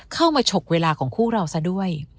เข้ามาฉกเวลาของคู่เราซะด้วย